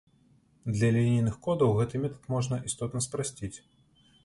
Для лінейных кодаў гэты метад можна істотна спрасціць.